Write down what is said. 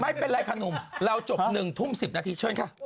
ไม่เป็นไรค่ะหนุ่มเราจบ๑ทุ่ม๑๐นาทีเชิญค่ะ